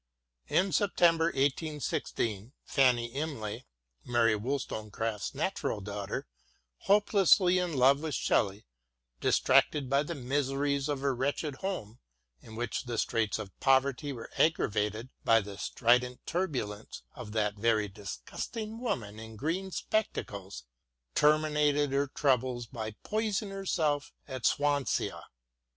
In September 18 16 Fanny Imlay, Mary WoUstonecraft's natural daughter, hope lessly in love with SheUey, distracted by the miseries of her wretched home, in which the straits of poverty were aggravated by the strident turbulence of that very disgusting woman in green spectacles, terminated her troubles by poisoning herself at Swansea.